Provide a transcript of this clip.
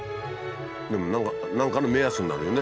でも何かの目安になるよね。